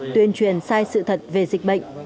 tuyên truyền sai sự thật về dịch bệnh